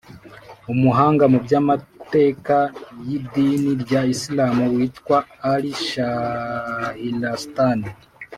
umuhanga mu by’amateka y’idini rya isilamu witwaga al-shahrastāni